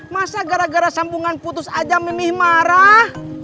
masa gara gara sambungan putus aja memilih marah